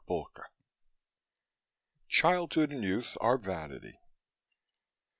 MUSINGS "Childhood and youth are vanity."